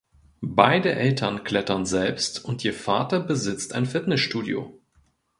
Beide Eltern klettern selbst und ihr Vater besitzt ein Fitnessstudio.